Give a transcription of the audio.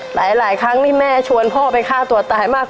หลายครั้งที่แม่ชวนพ่อไปฆ่าตัวตายมาก